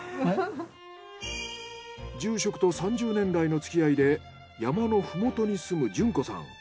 住職と３０年来の付き合いで山のふもとに住む潤子さん。